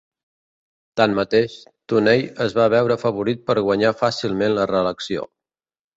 Tanmateix, Tunney es va veure afavorit per guanyar fàcilment la reelecció.